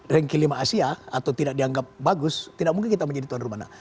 ranking lima asia atau tidak dianggap bagus tidak mungkin kita menjadi tuan rumah